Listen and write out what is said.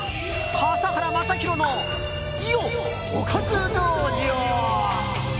笠原将弘のおかず道場。